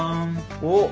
おっ。